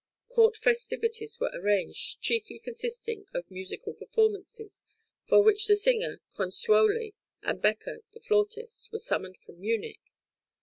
Court festivities were arranged, chiefly consisting of musical performances, for which the singer Consuoli and Becke, the flautist, were summoned from Munich.